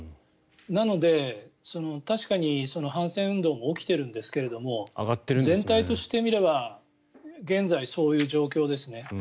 なので、確かに反戦運動が起きているんですが全体としてみれば現在、そういう状況ですね。